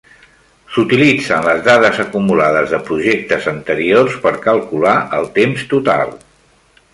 S'utilitzen les dades acumulades de projectes anteriors per calcular el temps total.